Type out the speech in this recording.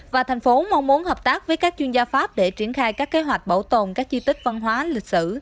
và thành phố mong muốn hợp tác với các chuyên gia pháp để triển khai các kế hoạch bảo tồn các chi tiết văn hóa lịch sử